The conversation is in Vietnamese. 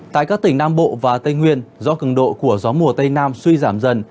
tại các tỉnh nam bộ và tây nguyên do cường độ của gió mùa tây nam suy giảm dần